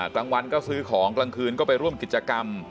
กลางวันก็ซื้อของกลางคืนก็ไปร่วมกิจกรรม